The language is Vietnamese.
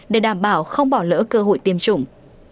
để đảm bảo không bỏ lỡ cơ hội tiêm chủng